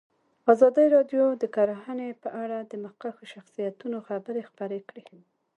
ازادي راډیو د کرهنه په اړه د مخکښو شخصیتونو خبرې خپرې کړي.